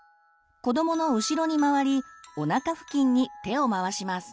子どもの後ろに回りおなか付近に手を回します。